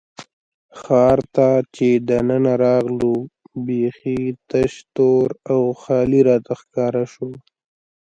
ښار ته چې دننه راغلو، بېخي تش، تور او خالي راته ښکاره شو.